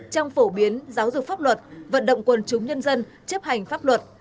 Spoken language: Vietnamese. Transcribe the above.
trong phổ biến giáo dục pháp luật vận động quần chúng nhân dân chấp hành pháp luật